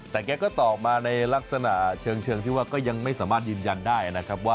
แต่แกก็ตอบมาในลักษณะเชิงที่ว่าก็ยังไม่สามารถยืนยันได้นะครับว่า